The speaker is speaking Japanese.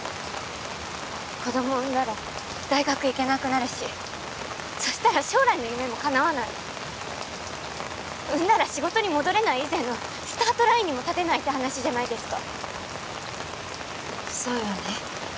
子供を産んだら大学行けなくなるしそしたら将来の夢もかなわない産んだら仕事に戻れない以前のスタートラインにも立てないって話じゃないですかそうよね